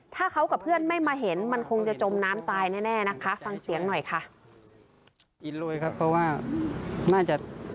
ถ้าเขากับเพื่อนไม่มาเห็นมันคงจะจมน้ำตายแน่นะคะ